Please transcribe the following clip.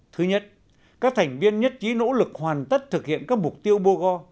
thứ nhất các thành viên nhất trí nỗ lực hoàn tất thực hiện các mục tiêu bô go